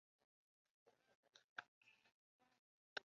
何以速为。